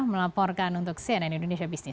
melaporkan untuk cnn indonesia busines